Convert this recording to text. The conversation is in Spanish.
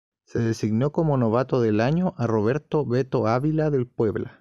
Se designó como novato del año a Roberto "Beto" Ávila" del Puebla.